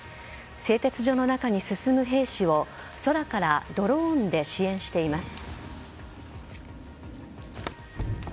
製鉄所の中に進む兵士を空からドローンで支援しています。